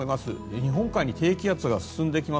日本海に低気圧が進んできます。